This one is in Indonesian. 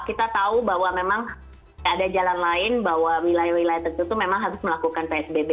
kita tahu bahwa memang tidak ada jalan lain bahwa wilayah wilayah tertentu memang harus melakukan psbb